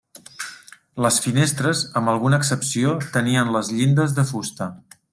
Les finestres, amb alguna excepció, tenien les llindes de fusta.